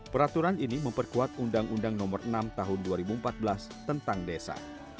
peraturan ini memperkuat undang undang nomor enam tahun dua ribu empat belas tentang desa